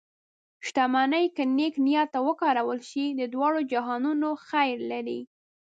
شتمني که نیک نیت ته وکارول شي، د دواړو جهانونو خیر لري.